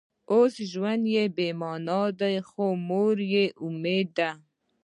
اوس ژوند بې معنا دی خو مور مې امید دی